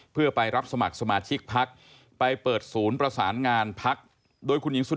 เพื่อไปรับสมัครสมาชิกภักดิ์ไปเปิดศูนย์ประสานงานภักดิ์